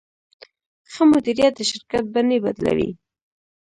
ښه مدیریت د شرکت بڼې بدلوي.